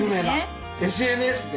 ＳＮＳで！